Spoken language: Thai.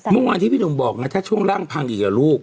เมื่อวานที่พี่หนุ่มบอกนะถ้าช่วงร่างพังอีกเหรอลูก